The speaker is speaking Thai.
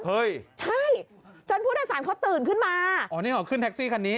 เฮ้ยใช่จนผู้โดยสารเขาตื่นขึ้นมาอ๋อนี่อ๋อขึ้นแท็กซี่คันนี้